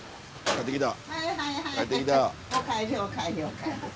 帰ってきた。